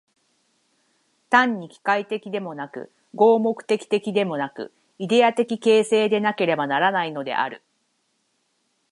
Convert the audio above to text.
単に機械的でもなく、合目的的でもなく、イデヤ的形成でなければならないのである。